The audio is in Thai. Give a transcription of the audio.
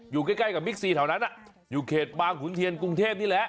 อยู่ใกล้กับบิ๊กซีแถวนั้นอยู่เขตบางขุนเทียนกรุงเทพนี่แหละ